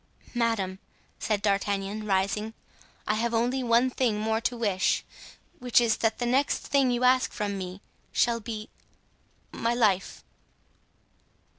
"Madame," said D'Artagnan, rising, "I have only one thing more to wish, which is, that the next thing you ask from me, shall be—my life."